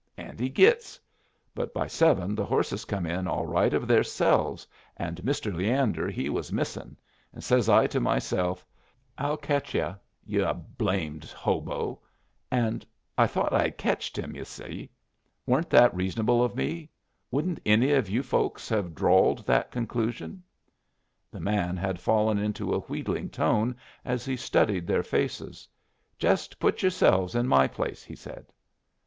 And he gits. But by seven the horses come in all right of theirselves, and Mr. Leander he was missin'; and says I to myself, 'I'll ketch you, yu' blamed hobo.' And I thought I had ketched him, yu' see. Weren't that reasonable of me? Wouldn't any of you folks hev drawed that conclusion?" The man had fallen into a wheedling tone as he studied their faces. "Jest put yourselves in my place," he said.